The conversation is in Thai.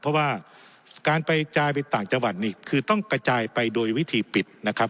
เพราะว่าการไปจายไปต่างจังหวัดนี่คือต้องกระจายไปโดยวิธีปิดนะครับ